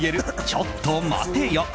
ちょっと待てよ。